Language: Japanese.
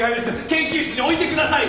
研究室に置いてください！